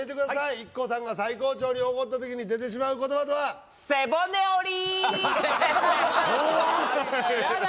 ＩＫＫＯさんが最高潮に怒った時に出てしまう言葉とはこわっこわっやだ